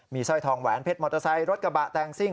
สร้อยทองแหวนเพชรมอเตอร์ไซค์รถกระบะแต่งซิ่ง